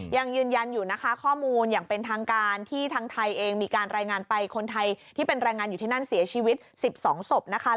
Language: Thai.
ยังยืนยันอยู่นะคะข้อมูลอย่างเป็นทางการที่ทางไทยเองมีการรายงานไปคนไทยที่เป็นแรงงานอยู่ที่นั่นเสียชีวิต๑๒ศพนะคะ